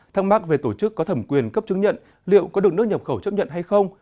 thắc mắc về tổ chức có thẩm quyền cấp chứng nhận liệu có được nước nhập khẩu chấp nhận hay không